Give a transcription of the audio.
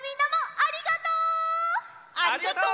ありがとう！